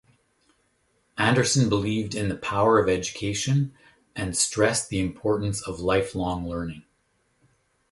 Anderson believed in the power of education and stressed the importance of lifelong learning.